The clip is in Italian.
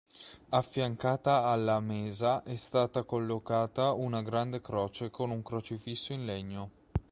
Affiancata alla mesa è stata collocata una grande croce con un crocifisso in legno.